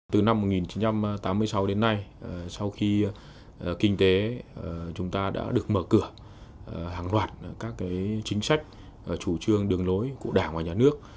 từ năm một nghìn chín trăm tám mươi sáu đến nay sau khi kinh tế chúng ta đã được mở cửa hàng loạt các chính sách chủ trương đường lối của đảng và nhà nước